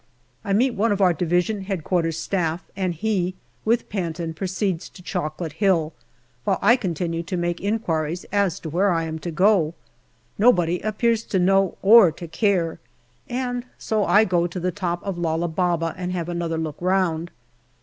I meet one of our D.H.Q. Staff, and he, with Panton, proceeds to Chocolate Hill, while I continue to make inquiries as to where I am to go. Nobody appears to know or to care, and so I go on to the top of Lala Baba and have another look round.